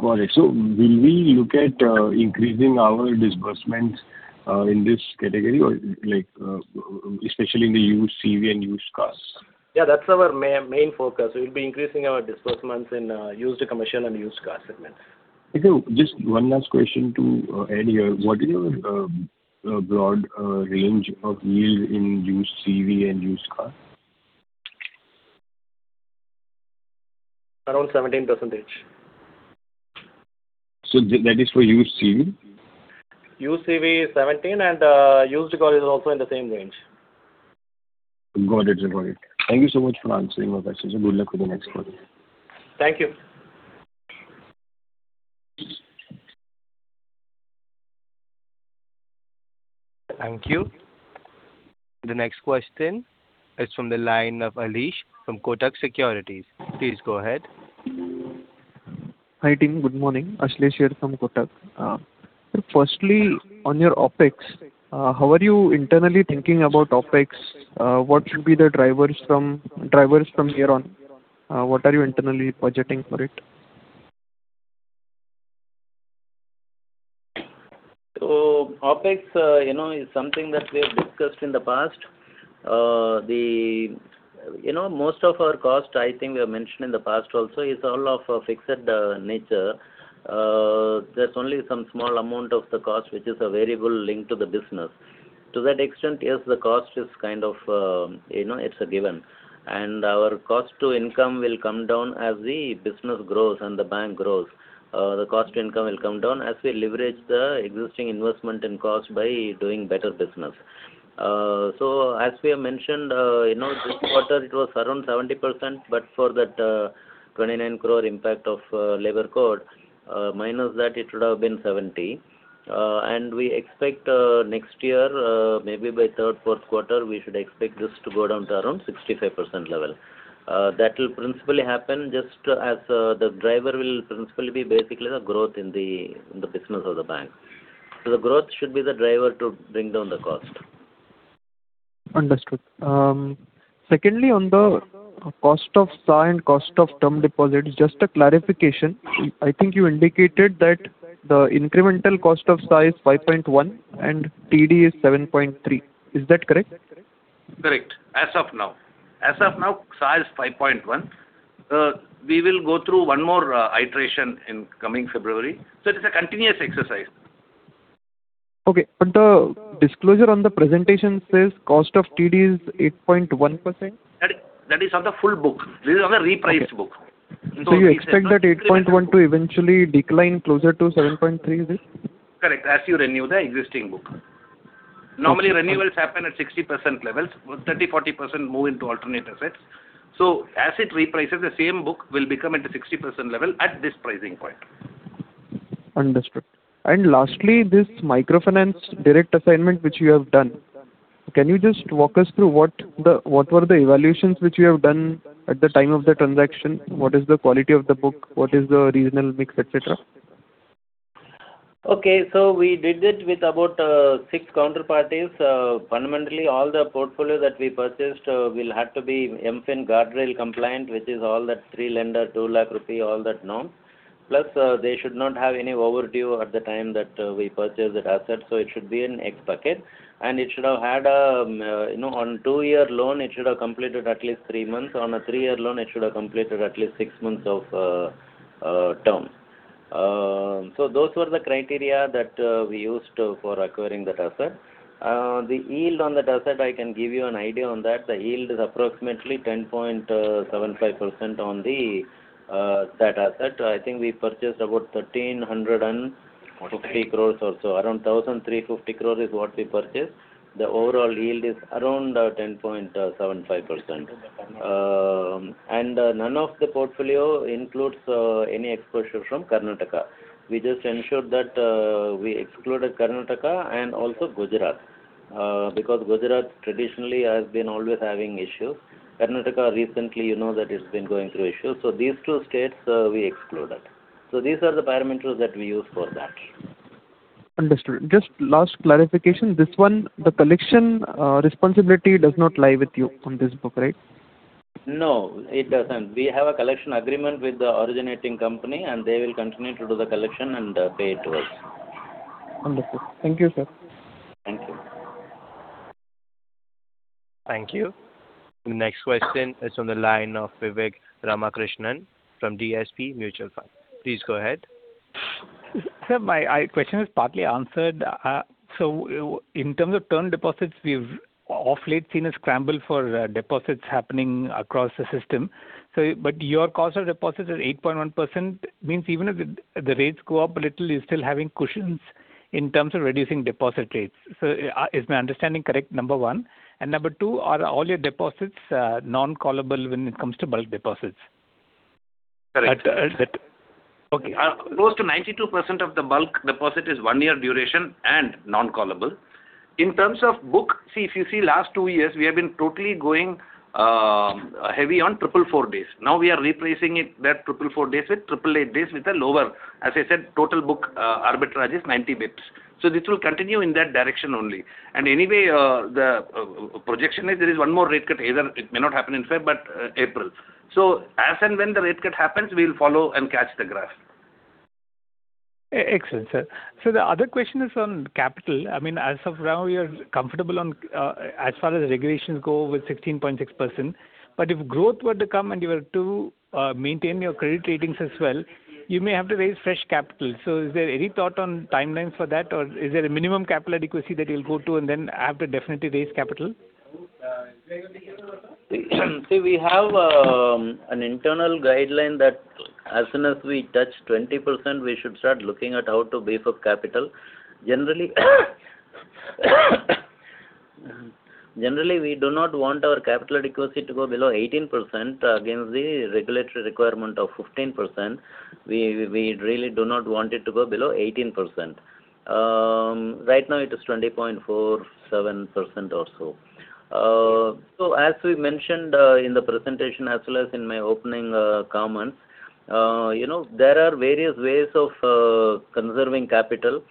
Got it. So will we look at increasing our disbursements in this category, especially in the used CV and used cars? Yeah. That's our main focus. We'll be increasing our disbursements in used commercial and used car segments. Okay. Just one last question to add here. What is your broad range of yield in used CV and used car? Around 17%. That is for used CV? Used CV is 17 and used car is also in the same range. Got it. Got it. Thank you so much for answering our questions. Good luck with the next one. Thank you. Thank you. The next question is from the line of Ashlesh from Kotak Securities. Please go ahead. Hi team. Good morning. Ashlesh here from Kotak. Firstly, on your OpEx, how are you internally thinking about OpEx? What should be the drivers from here on? What are you internally budgeting for it? So OpEx is something that we have discussed in the past. Most of our cost, I think we have mentioned in the past also, is all of fixed nature. There's only some small amount of the cost which is a variable linked to the business. To that extent, yes, the cost is kind of it's a given. And our cost to income will come down as the business grows and the bank grows. The cost to income will come down as we leverage the existing investment and cost by doing better business. So as we have mentioned, this quarter, it was around 70%, but for that 29 crore impact of labor code, minus that, it would have been 70%. And we expect next year, maybe by third, fourth quarter, we should expect this to go down to around 65% level. That will principally happen just as the driver will principally be basically the growth in the business of the bank. The growth should be the driver to bring down the cost. Understood. Secondly, on the cost of SA and cost of term deposits, just a clarification. I think you indicated that the incremental cost of SA is 5.1 and TD is 7.3. Is that correct? Correct. As of now. As of now, SAR is 5.1. We will go through one more iteration in coming February. So it is a continuous exercise. Okay. But the disclosure on the presentation says cost of TD is 8.1%. That is on the full book. This is on the repriced book. So you expect that 8.1 to eventually decline closer to 7.3, is it? Correct. As you renew the existing book. Normally, renewals happen at 60% levels. 30%-40% move into alternate assets. So as it reprices, the same book will become at the 60% level at this pricing point. Understood. And lastly, this microfinance direct assignment which you have done, can you just walk us through what were the evaluations which you have done at the time of the transaction? What is the quality of the book? What is the regional mix, etc.? Okay. So we did it with about six counterparties. Fundamentally, all the portfolio that we purchased will have to be MFIN guardrail compliant, which is all that three lender, two lakh rupee, all that norm. Plus, they should not have any overdue at the time that we purchase that asset. So it should be an ex-bucket. And it should have had on a two-year loan, it should have completed at least three months. On a three-year loan, it should have completed at least six months of term. So those were the criteria that we used for acquiring that asset. The yield on that asset, I can give you an idea on that. The yield is approximately 10.75% on that asset. I think we purchased about 1,350 crore or so. Around 1,350 crore is what we purchased. The overall yield is around 10.75%. None of the portfolio includes any exposure from Karnataka. We just ensured that we excluded Karnataka and also Gujarat because Gujarat traditionally has been always having issues. Karnataka recently, you know that it's been going through issues. These two states, we excluded. These are the parameters that we use for that. Understood. Just last clarification. This one, the collection responsibility does not lie with you on this book, right? No. It doesn't. We have a collection agreement with the originating company, and they will continue to do the collection and pay it to us. Understood. Thank you, sir. Thank you. Thank you. The next question is from the line of Vivek Ramakrishnan from DSP Mutual Fund. Please go ahead. My question is partly answered. So in terms of term deposits, we've of late seen a scramble for deposits happening across the system. But your cost of deposit is 8.1%, means even if the rates go up a little, you're still having cushions in terms of reducing deposit rates. So is my understanding correct? Number one. And number two, are all your deposits non-callable when it comes to bulk deposits? Correct. Okay. Close to 92% of the bulk deposit is one-year duration and non-callable. In terms of book, see, if you see the last two years, we have been totally going heavy on 444 days. Now we are repricing that 444 days with 888 days with a lower, as I said, total book arbitrage is 90 basis points. So this will continue in that direction only. And anyway, the projection is there is one more rate cut either it may not happen in February, but April. So as and when the rate cut happens, we'll follow and catch the graph. Excellent, sir. So the other question is on capital. I mean, as of now, you're comfortable as far as regulations go with 16.6%. But if growth were to come and you were to maintain your credit ratings as well, you may have to raise fresh capital. So is there any thought on timelines for that, or is there a minimum capital adequacy that you'll go to and then have to definitely raise capital? See, we have an internal guideline that as soon as we touch 20%, we should start looking at how to beef up capital. Generally, we do not want our capital adequacy to go below 18% against the regulatory requirement of 15%. We really do not want it to go below 18%. Right now, it is 20.47% or so. So as we mentioned in the presentation as well as in my opening comments, there are various ways of conserving capital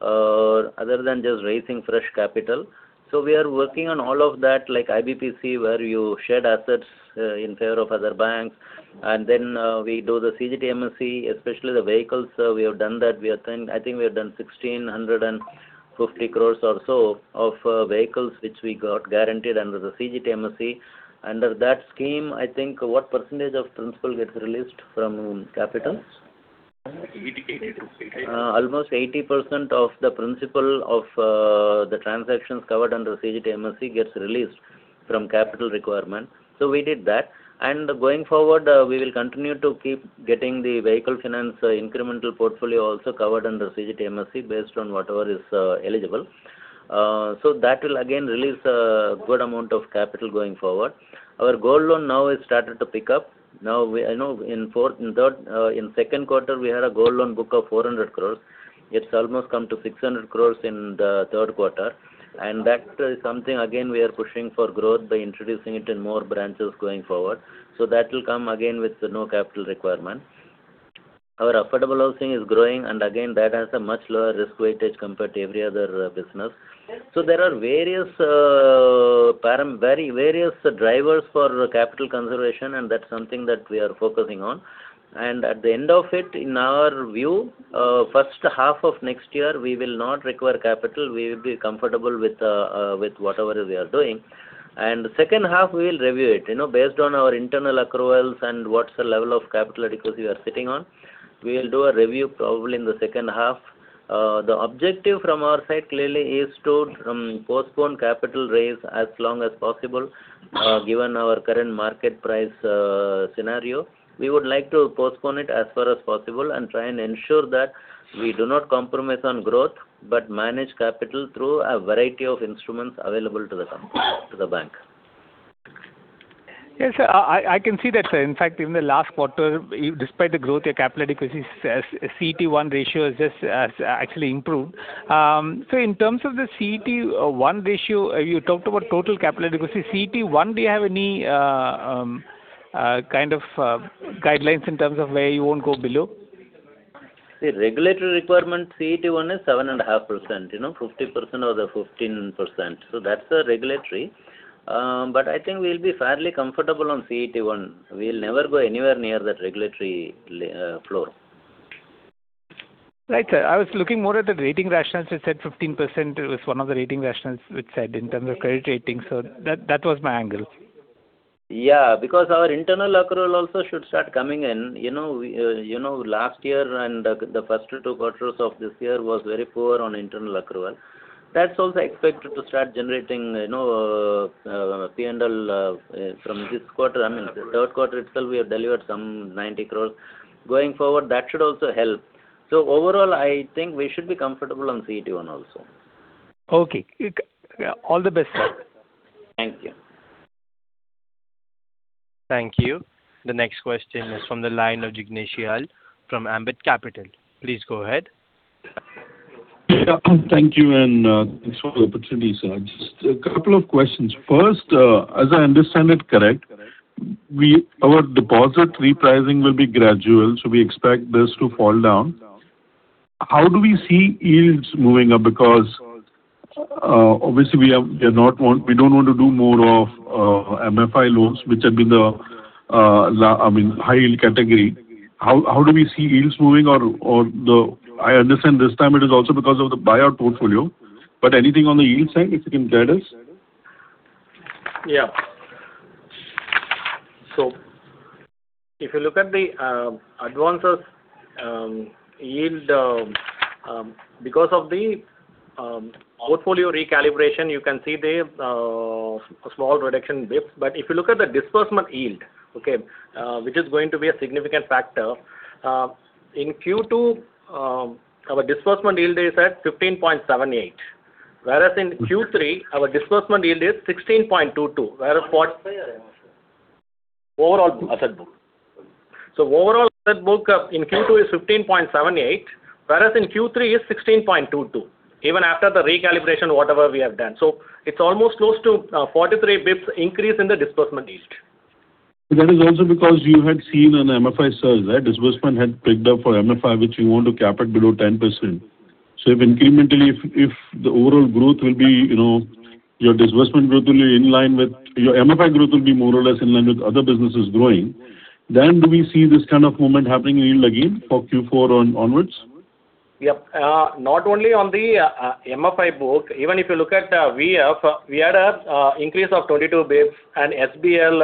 other than just raising fresh capital. So we are working on all of that like IBPC where you shed assets in favor of other banks. And then we do the CGTMSE, especially the vehicles. We have done that. I think we have done 1,650 crore or so of vehicles which we got guaranteed under the CGTMSE. Under that scheme, I think what percentage of principal gets released from capital? Almost 80% of the principal of the transactions covered under CGTMSE gets released from capital requirement. We did that. Going forward, we will continue to keep getting the vehicle finance incremental portfolio also covered under CGTMSE based on whatever is eligible. That will again release a good amount of capital going forward. Our gold loan now has started to pick up. Now, in second quarter, we had a gold loan book of 400 crore. It's almost come to 600 crore in the third quarter. That is something again we are pushing for growth by introducing it in more branches going forward. That will come again with no capital requirement. Our affordable housing is growing, and again, that has a much lower risk weightage compared to every other business. There are various drivers for capital conservation, and that's something that we are focusing on. And at the end of it, in our view, first half of next year, we will not require capital. We will be comfortable with whatever we are doing. And the second half, we will review it. Based on our internal accruals and what's the level of capital adequacy we are sitting on, we will do a review probably in the second half. The objective from our side clearly is to postpone capital raise as long as possible given our current market price scenario. We would like to postpone it as far as possible and try and ensure that we do not compromise on growth, but manage capital through a variety of instruments available to the bank. Yes, sir. I can see that. In fact, in the last quarter, despite the growth, your capital adequacy CET1 ratio has just actually improved. So in terms of the CET1 ratio, you talked about total capital adequacy. CET1, do you have any kind of guidelines in terms of where you won't go below? The regulatory requirement CET1 is 7.5%, 50%, or the 15%. So that's the regulatory. But I think we'll be fairly comfortable on CET1. We'll never go anywhere near that regulatory floor. Right, sir. I was looking more at the rating rationales. You said 15% was one of the rating rationales which said in terms of credit rating. So that was my angle. Yeah. Because our internal accrual also should start coming in. Last year and the first two quarters of this year was very poor on internal accrual. That's also expected to start generating P&L from this quarter. I mean, third quarter itself, we have delivered some 90 crore. Going forward, that should also help. So overall, I think we should be comfortable on CET1 also. Okay. All the best, sir. Thank you. Thank you. The next question is from the line of Jignesh Shial from Ambit Capital. Please go ahead. Thank you. Thanks for the opportunity. Just a couple of questions. First, as I understand it correct, our deposit repricing will be gradual, so we expect this to fall down. How do we see yields moving up? Because obviously, we don't want to do more of MFI loans, which have been the, I mean, high-yield category. How do we see yields moving? Or I understand this time it is also because of the buyout portfolio. But anything on the yield side, if you can guide us? Yeah. So if you look at the advances yield, because of the portfolio recalibration, you can see the small reduction basis points. But if you look at the disbursement yield, okay, which is going to be a significant factor, in Q2, our disbursement yield is at 15.78. Whereas in Q3, our disbursement yield is 16.22. Whereas overall asset book. So overall asset book in Q2 is 15.78, whereas in Q3 is 16.22, even after the recalibration, whatever we have done. So it's almost close to 43 basis points increase in the disbursement yield. That is also because you had seen an MFI surge. Disbursement had picked up for MFI, which you want to cap it below 10%. So if incrementally, if the overall growth will be your disbursement growth will be in line with your MFI growth will be more or less in line with other businesses growing, then do we see this kind of moment happening in yield again for Q4 onwards? Yep. Not only on the MFI book, even if you look at VF, we had an increase of 22 basis points and SBL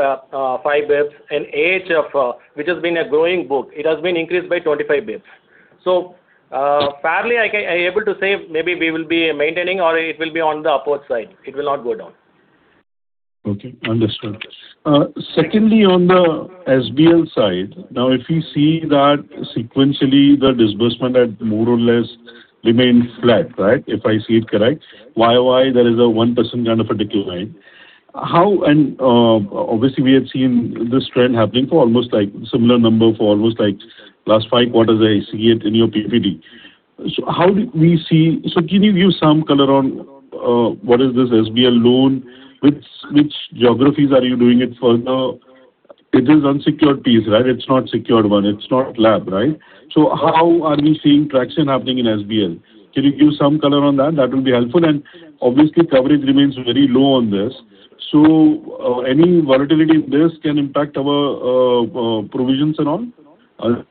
5 basis points, and AHF, which has been a growing book, it has been increased by 25 basis points. So fairly, I am able to say maybe we will be maintaining or it will be on the upward side. It will not go down. Okay. Understood. Secondly, on the SBL side, now if we see that sequentially, the disbursement had more or less remained flat, right? If I see it correct, YoY, there is a 1% kind of a decline. And obviously, we had seen this trend happening for almost similar number for almost last five quarters, I see it in your DPD. So how do we see? So can you give some color on what is this SBL loan? Which geographies are you doing it further? It is unsecured piece, right? It's not secured one. It's not LAP, right? So how are we seeing traction happening in SBL? Can you give some color on that? That will be helpful. And obviously, coverage remains very low on this. So any volatility in this can impact our provisions and all?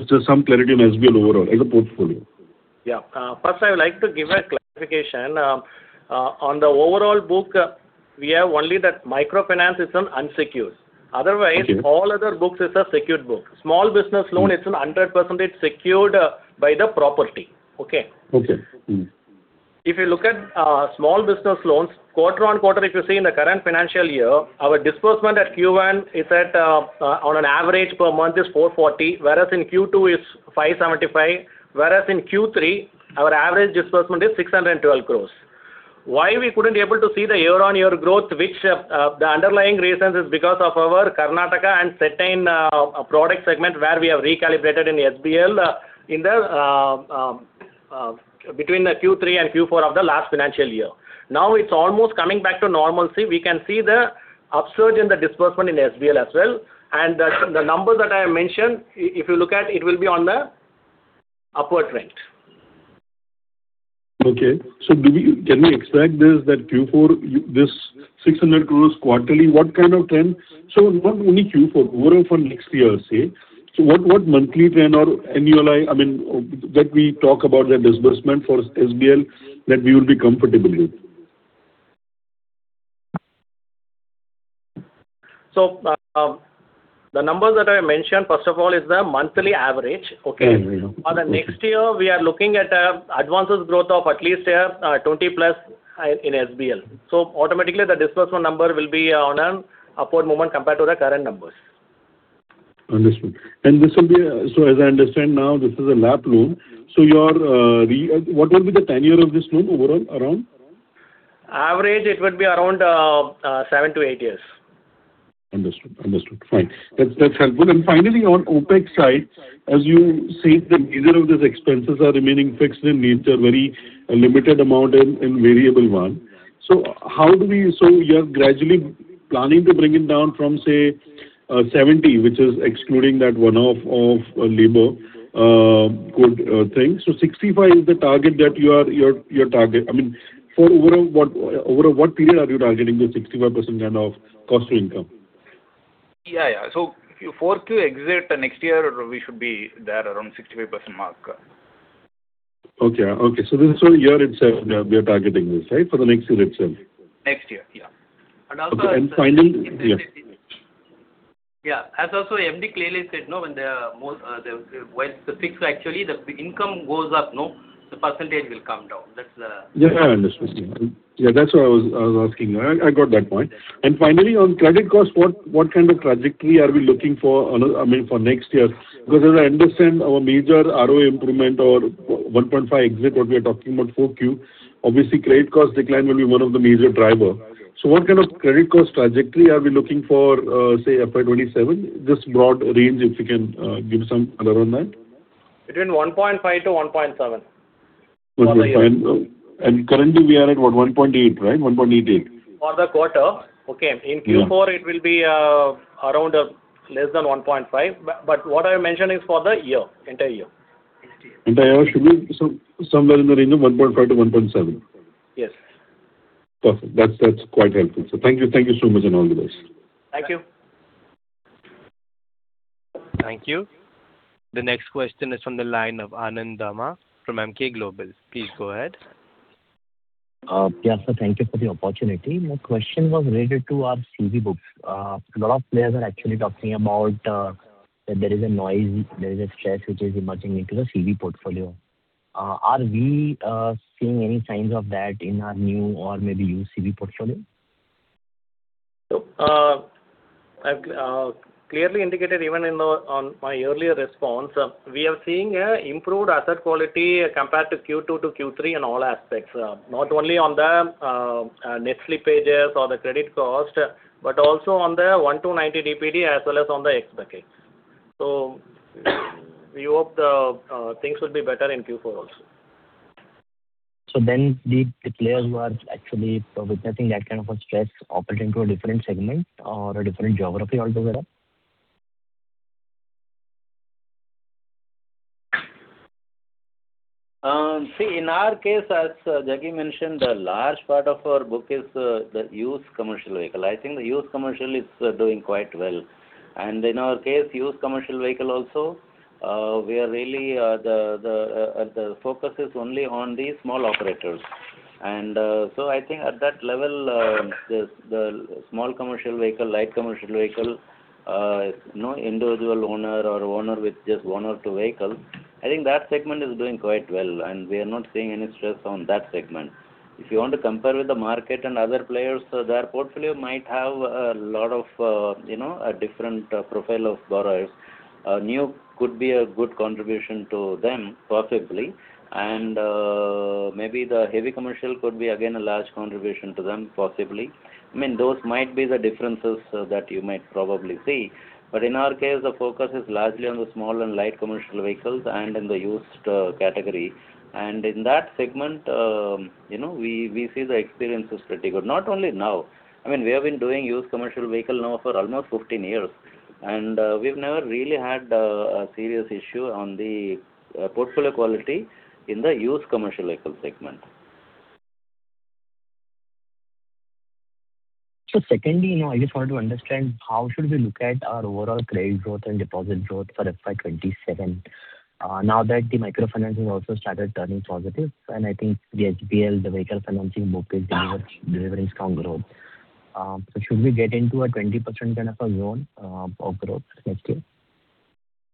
Just some clarity on SBL overall as a portfolio. Yeah. First, I would like to give a clarification. On the overall book, we have only that microfinance is unsecured. Otherwise, all other books are secured books. Small business loan, it's 100% secured by the property. Okay? Okay. If you look at small business loans, quarter-on-quarter, if you see in the current financial year, our disbursement at Q1 is at on an average per month is 440, whereas in Q2 is 575, whereas in Q3, our average disbursement is 612 crore. Why we couldn't be able to see the year-on-year growth, which the underlying reason is because of our Karnataka and certain product segment where we have recalibrated in SBL between Q3 and Q4 of the last financial year. Now it's almost coming back to normalcy. We can see the upsurge in the disbursement in SBL as well. And the numbers that I have mentioned, if you look at, it will be on the upward trend. Okay. So can we extract this that Q4, this 600 crore quarterly, what kind of trend? So not only Q4, overall for next year, say. So what monthly trend or annualized that we talk about that disbursement for SBL that we will be comfortable with? So the numbers that I mentioned, first of all, is the monthly average. Okay? For the next year, we are looking at advances growth of at least 20+ in SBL. So automatically, the disbursement number will be on an upward movement compared to the current numbers. Understood. And this will be so as I understand now, this is a LAP loan. So what will be the tenure of this loan overall around? Average, it would be around seven to eight years. Understood. Understood. Fine. That's helpful. And finally, on OpEx side, as you see, either of these expenses are remaining fixed in nature, very limited amount in variable one. So how do we so you're gradually planning to bring it down from, say, 70, which is excluding that one-off of labor thing. So 65 is the target that you are your target. I mean, for overall, over what period are you targeting the 65% kind of cost to income? Yeah. Yeah. So Q4 to exit next year, we should be there around 65% mark. Okay. Okay. So this year itself, we are targeting this, right, for the next year itself? Next year. Yeah. Okay. And finally. Yeah. As also MD clearly said, when the fixed actually the income goes up, the percentage will come down. That's the. Yeah. I understand. Yeah. That's what I was asking. I got that point. And finally, on credit cost, what kind of trajectory are we looking for, I mean, for next year? Because as I understand, our major ROA improvement or 1.5 exit, what we are talking about for Q, obviously, credit cost decline will be one of the major drivers. So what kind of credit cost trajectory are we looking for, say, FY27? Just broad range, if you can give some color on that. Between 1.5-1.7. 1.5. Currently, we are at what? 1.8, right? 1.88? For the quarter. Okay. In Q4, it will be around less than 1.5. But what I mentioned is for the year, entire year. Entire year. Should we somewhere in the range of 1.5-1.7? Yes. Perfect. That's quite helpful. Thank you. Thank you so much on all of this. Thank you. Thank you. The next question is from the line of Anand Dama from Emkay Global. Please go ahead. Thank you for the opportunity. My question was related to our CV books. A lot of players are actually talking about that there is a noise, there is a stress which is emerging into the CV portfolio. Are we seeing any signs of that in our new or maybe used CV portfolio? Clearly indicated even in my earlier response, we are seeing improved asset quality compared to Q2 to Q3 in all aspects. Not only on the NPA pages or the credit cost, but also on the 1-90 DPD as well as on the expectation. So we hope things will be better in Q4 also. So then did the players who are actually witnessing that kind of a stress operate into a different segment or a different geography altogether? See, in our case, as Jaggi mentioned, a large part of our book is the used commercial vehicle. I think the used commercial is doing quite well. And in our case, used commercial vehicle also, we are really the focus is only on the small operators. And so I think at that level, the small commercial vehicle, light commercial vehicle, no individual owner or owner with just one or two vehicles, I think that segment is doing quite well. And we are not seeing any stress on that segment. If you want to compare with the market and other players, their portfolio might have a lot of different profile of borrowers. New could be a good contribution to them, possibly. And maybe the heavy commercial could be, again, a large contribution to them, possibly. I mean, those might be the differences that you might probably see. But in our case, the focus is largely on the small and light commercial vehicles and in the used category. And in that segment, we see the experience is pretty good. Not only now. I mean, we have been doing used commercial vehicle now for almost 15 years. And we've never really had a serious issue on the portfolio quality in the used commercial vehicle segment. So secondly, I just wanted to understand how should we look at our overall credit growth and deposit growth for FY 2027? Now that the microfinance has also started turning positive, and I think the SBL, the vehicle financing book is delivering strong growth. So should we get into a 20% kind of a zone of growth next year?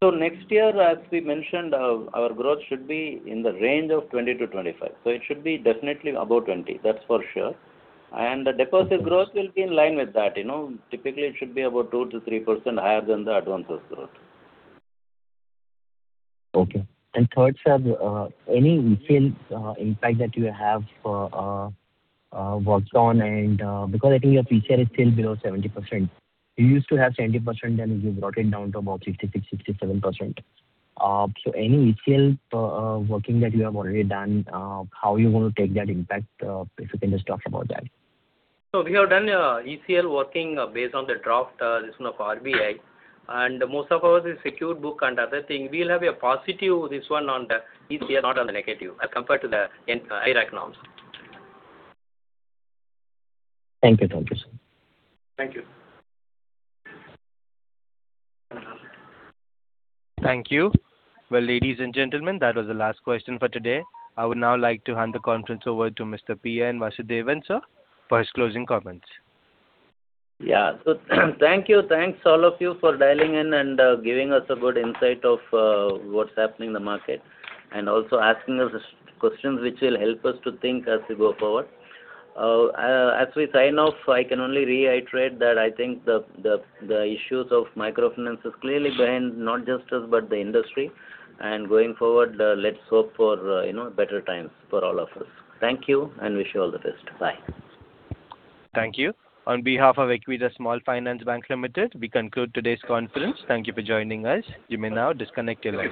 So next year, as we mentioned, our growth should be in the range of 20%-25%. So it should be definitely above 20%. That's for sure. And the deposit growth will be in line with that. Typically, it should be about 2%-3% higher than the advances growth. Okay. And third, sir, any ECL impact that you have worked on? And because I think your ECL is still below 70%, you used to have 70%, and you brought it down to about 66%-67%. So any ECL working that you have already done, how you want to take that impact if you can just talk about that? We have done ECL working based on the draft this one of RBI. Most of our secured book and other thing, we'll have a positive this one on the ECL, not on the negative as compared to the IRAC norms. Thank you. Thank you, sir. Thank you. Thank you. Well, ladies and gentlemen, that was the last question for today. I would now like to hand the conference over to Mr. P N Vasudevan, sir, for his closing comments. Yeah. So thank you. Thanks to all of you for dialing in and giving us a good insight of what's happening in the market and also asking us questions which will help us to think as we go forward. As we sign off, I can only reiterate that I think the issues of microfinance is clearly behind not just us, but the industry. And going forward, let's hope for better times for all of us. Thank you and wish you all the best. Bye. Thank you. On behalf of Equitas Small Finance Bank Limited, we conclude today's conference. Thank you for joining us. You may now disconnect your line.